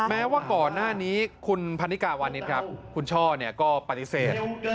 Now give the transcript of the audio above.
แม้ว่าก่อนหน้านี้คุณพันนิกาวานิสครับคุณช่อก็ปฏิเสธ